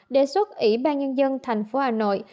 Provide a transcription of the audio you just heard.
đề xuất ủy ban nhân dân tp hà nội